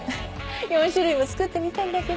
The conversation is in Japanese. ４種類も作ってみたんだけど。